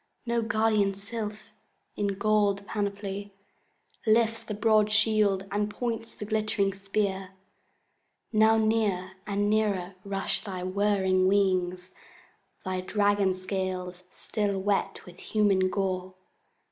No guardian sylph, in golden panoply, Lifts the broad shield, and points the glittering spear. Now near and nearer rush thy whirring wings, Thy dragon scales still wet with human gore.